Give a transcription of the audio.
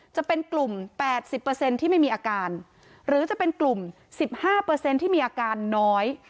จะเป็นกลุ่มแปดสิบเปอร์เซ็นต์ที่ไม่มีอาการหรือจะเป็นกลุ่มสิบห้าเปอร์เซ็นต์ที่มีอาการน้อย